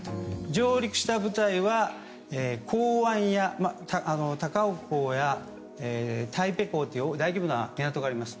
上陸した部隊は港湾、高雄港や台北港という大規模な港があります。